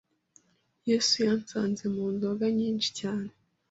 Yesu yansanze mu nzoga nyinshi cyane